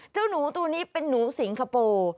เจ้าหนูตัวนี้เป็นหนูสิงคโปร์